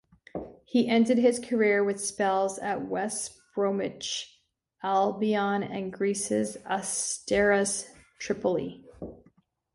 He ended his career with spells at West Bromwich Albion and Greece's Asteras Tripoli.